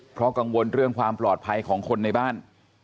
เพราะกังวลเรื่องความปลอดภัยของคนในบ้าน